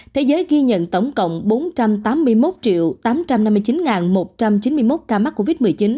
thế giới ghi nhận tổng cộng bốn trăm tám mươi một tám trăm năm mươi chín một trăm chín mươi một ca mắc covid một mươi chín